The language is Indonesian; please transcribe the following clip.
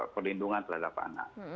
pelindungan terhadap anak